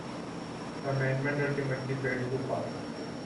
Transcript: The amendment ultimately failed to pass.